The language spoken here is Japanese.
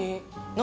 何？